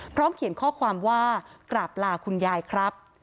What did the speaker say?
เขียนข้อความว่ากราบลาคุณยายครับ